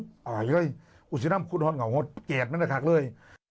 เอาเลยอุศิฐรัมม์คุณธอร์เหง่าเกดเลย